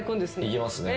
いきますね。